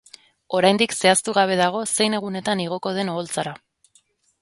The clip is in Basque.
Oraindik zehaztu gabe dago zein egunetan igoko den oholtzara.